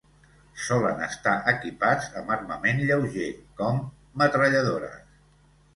Solen estar equipats amb armament lleuger com metralladores.